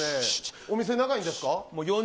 お店長いんですか？